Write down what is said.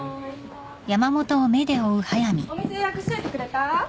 お店予約しといてくれた？